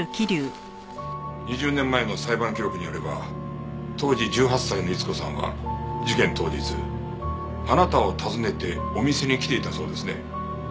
２０年前の裁判記録によれば当時１８歳の逸子さんは事件当日あなたを訪ねてお店に来ていたそうですね。